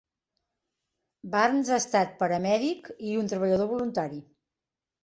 Barnes ha estat paramèdic i un treballador voluntari.